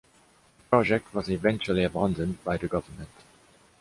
The project was eventually abandoned by the government.